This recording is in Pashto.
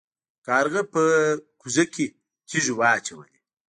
کارغه په کوزه کې تیږې واچولې.